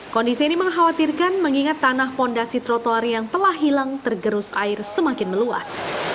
kondisi ini mengkhawatirkan mengingat tanah fondasi trotoar yang telah hilang tergerus air semakin meluas